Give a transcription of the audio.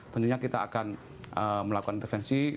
tentunya kita akan melakukan intervensi